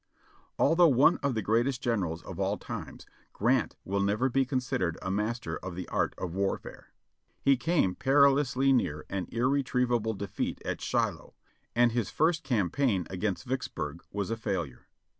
Although one of the greatest generals of the times. Grant will never be considered a master of the art of warfare. He came perilously near an irretrievable defeat at Shiloh, and his first cam paign against Vicksburg was a failure.